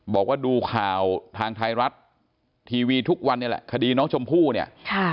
บอกว่าดูข่าวทางไทยรัฐทีวีทุกวันนี้แหละคดีน้องชมพู่เนี่ยค่ะ